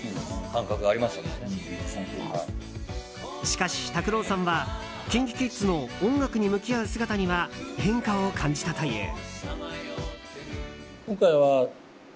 しかし、拓郎さんはＫｉｎＫｉＫｉｄｓの音楽に向き合う姿には変化を感じたという。